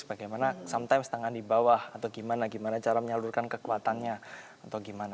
bagaimana kadang tangan di bawah atau gimana cara menyalurkan kekuatannya